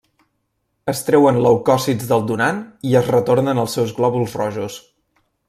Es treuen leucòcits del donant i es retornen els seus glòbuls rojos.